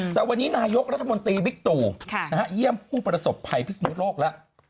แต่วันนี้นายกรัฐมนตรีบิ๊กตู่เยี่ยมผู้ประสบภัยพิศนุโลกแล้ว